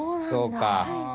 そうか。